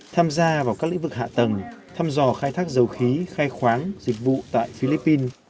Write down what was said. tham gia vào các lĩnh vực hạ tầng thăm dò khai thác dầu khí khai khoáng dịch vụ tại philippines